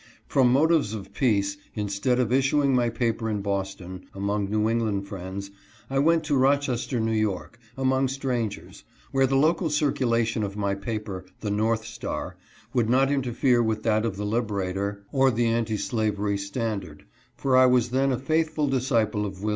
From motives of peace, instead of issuing my paper in Boston, among New England friends, I went to Roches ter, N. Y., among strangers, where the local circulation of my paper —" The North Star "— would not interfere with that of the Liberator or the Anti Slavery Standard,, for I was then a faithful disciple of Wm.